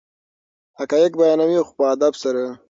حقایق بیانوي خو په ادب سره.